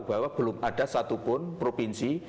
bahwa belum ada satupun provinsi